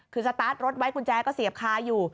คือสตาร์ทรถไว้กุญแจก็เสียบคาอยู่